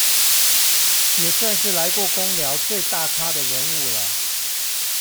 也算是來過工寮最大咖的人物了